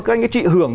các anh các chị hưởng